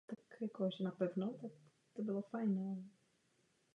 Jedná se o mezinárodně uznávané zkoušky z klasické španělské španělštiny.